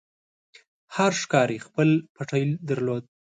هر ښکاري خپل پټی درلود.